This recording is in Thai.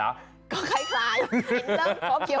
ก็คล้ายเห็นเรื่องของเขาเขียว